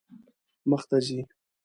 مخ ته ځئ